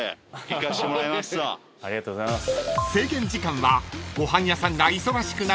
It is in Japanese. ［制限時間はご飯屋さんが忙しくなる夕方６時まで］